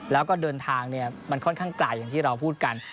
แล้วก็เดินทางมันค่อนข้างไกลอย่างที่เราพูดกัน